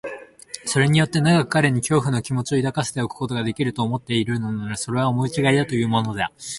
それによって長く彼に恐怖の気持を抱かせておくことができる、と思っているのなら、それは思いちがいというものだ。